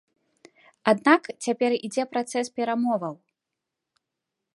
Аднак цяпер ідзе працэс перамоваў.